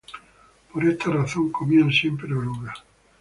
Por esta razón, comían siempre orugas.